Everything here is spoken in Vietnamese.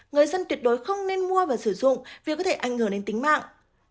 người dân tuyệt đối không nên mua và sử dụng vì có thể ảnh hưởng đến tính mạng